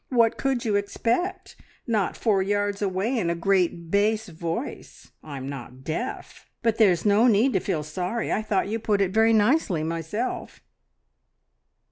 "What could you expect? Not four yards away, and a great bass voice! I'm not deaf. But there's no need to feel sorry. I thought you put it very nicely, myself!"